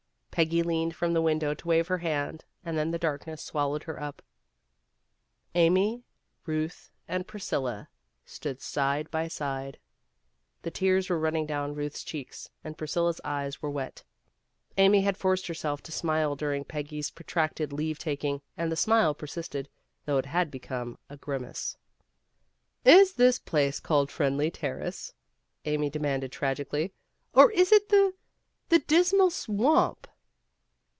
Peggy leaned from the window to wave her hand, and then the darkness swallowed her up. Amy, Ruth, and Priscilla stood side by side. The tears were running down Ruth's cheeks, and Priscilla 's eyes were wet. Amy had forced herself to smile during Peggy's pro tracted leave taking and 'the smile persisted, though it had become a grimace. "Is this place called Friendly Terrace?' Amy demanded tragically, "Or is it the the Dismal Swamp."